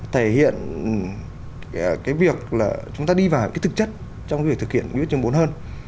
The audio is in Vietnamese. thể hiện cái việc là chúng ta đi vào cái thực chất trong việc thực hiện nghị quyết trung ương bốn hơn